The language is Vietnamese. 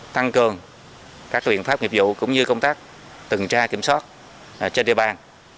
thăng cường các tuyển pháp nghiệp vụ cũng như công tác tường tra kiểm soát trên địa bàn